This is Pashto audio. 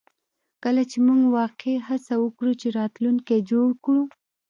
کله چې موږ واقعیا هڅه وکړو چې راتلونکی جوړ کړو